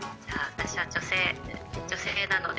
私は女性女性なので。